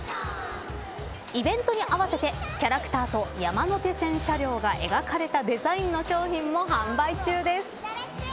イベントに合わせてキャラクターと山手線車両が描かれたデザインの商品も販売中です。